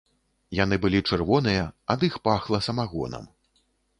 Яны былі чырвоныя, ад іх пахла самагонам.